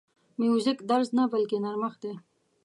موزیک درز نه، بلکې نرمښت دی.